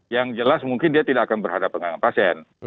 yang jelas mungkin dia tidak akan berhadapan dengan pasien